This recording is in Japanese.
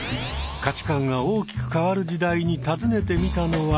価値観が大きく変わる時代に訪ねてみたのは。